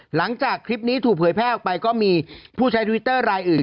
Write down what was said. หลังจากคลิปนี้ถูกเผยแพร่ออกไปก็มีผู้ใช้ทวิตเตอร์รายอื่น